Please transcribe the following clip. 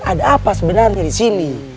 ada apa sebenarnya disini